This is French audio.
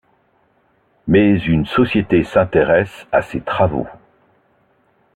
Mais une société s'intéresse à ses travaux.